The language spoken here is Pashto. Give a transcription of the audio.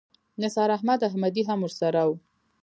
نثار احمد احمدي هم ورسره و.